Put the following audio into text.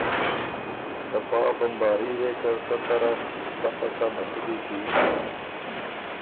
ته پا بمباري وې که سۀ طرف سۀ پسۀ مسُودی کی